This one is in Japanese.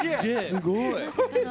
すごい。